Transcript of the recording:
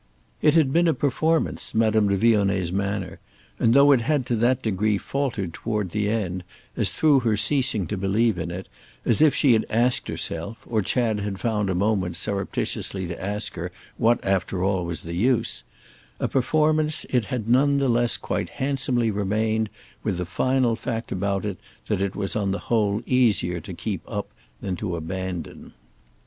It had been a performance, Madame de Vionnet's manner, and though it had to that degree faltered toward the end, as through her ceasing to believe in it, as if she had asked herself, or Chad had found a moment surreptitiously to ask her, what after all was the use, a performance it had none the less quite handsomely remained, with the final fact about it that it was on the whole easier to keep up than to abandon.